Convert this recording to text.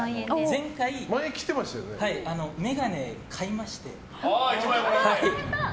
前回、眼鏡を買いまして。